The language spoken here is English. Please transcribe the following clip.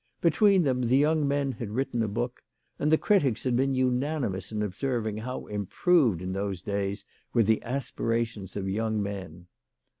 Between them, the young men had written a book, and the critics had been unanimous in observing how improved in those days were the aspirations of young men.